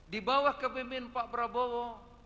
di bawah kepimpin pak prabowo